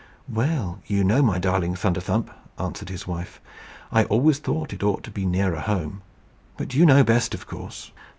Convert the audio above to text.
"Well, you know, my darling Thunderthump," answered his wife, "I always thought it ought to be nearer home. But you know best, of course."